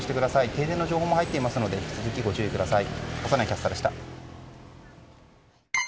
停電の情報も入っていますので引き続き、ご注意ください。